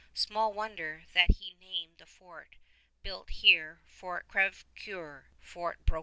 Small wonder that he named the fort built here Fort Crèvecoeur, Fort Broken Heart.